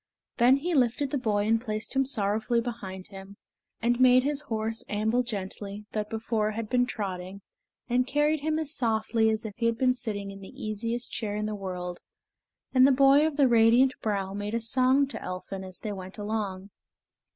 Then he lifted the boy and placed him sorrowfully behind him; and made his horse amble gently, that before had been trotting, and carried him as softly as if he had been sitting in the easiest chair in the world, and the boy of the radiant brow made a song to Elphin as they went along.